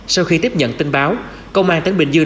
sau khi tiếp nhận tin báo công an tỉnh bình dương